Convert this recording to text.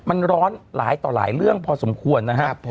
มันร้อนหลายต่อหลายเรื่องพอสมควรนะครับ